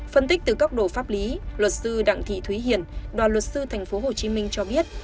phân tích từ góc độ pháp lý luật sư đặng thị thúy hiển đoàn luật sư tp hcm cho biết